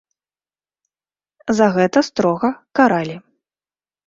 За гэта строга каралі.